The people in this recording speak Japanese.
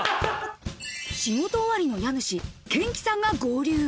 仕事終わりの家主、賢毅さんが合流。